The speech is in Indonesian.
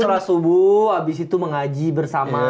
setelah subuh habis itu mengaji bersama